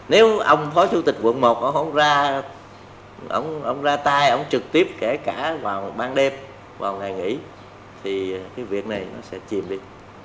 nếu ông phó chủ tịch quận một không ra tay trực tiếp kể cả vào ban đêm vào ngày nghỉ thì cái việc này nó sẽ chìm đi